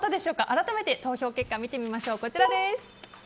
改めて投票結果を見てみましょう。